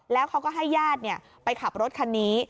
แล้วเขาก็ให้ญาติไปขับรถคันนี้